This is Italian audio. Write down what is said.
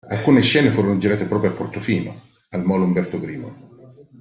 Alcune scene furono girate proprio a Portofino, al Molo "Umberto I".